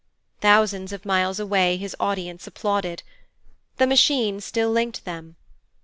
Thousands of miles away his audience applauded. The Machine still linked them.